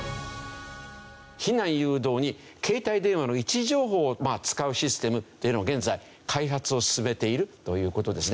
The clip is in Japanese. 避難誘導に携帯電話の位置情報を使うシステムっていうのを現在開発を進めているという事ですね。